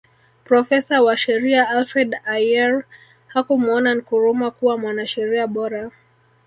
Profesa wa sheria Alfred Ayer hakumuona Nkrumah kuwa mwanasheria bora